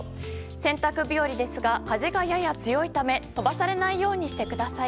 洗濯日和ですが風がやや強いため飛ばされないようにしてください。